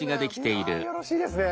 よろしいですな。